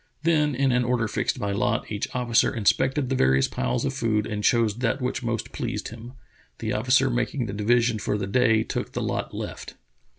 Then, in an order fixed by lot, each officer inspected the various piles of food and chose that which most pleased him. The officer making the division for the day took the lot left.